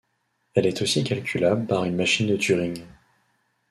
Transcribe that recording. Elle est aussi calculable par une machine de Turing.